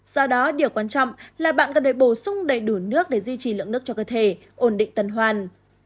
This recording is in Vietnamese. do đó điều quan trọng là bạn cần đợi bổ sung đầy đủ nước để duy trì lượng nước cho cơ thể ổn định tân hoan